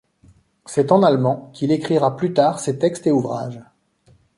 C'est en allemand qu'il écrira plus tard ses textes et ouvrages.